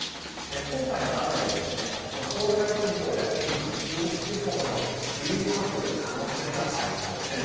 今回の雨で東海地方や近畿、中国地方など梅雨入り発表する可能性がありそうです。